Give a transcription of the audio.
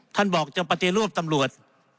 ท่านบอกจะปฏิรูปตำรวจ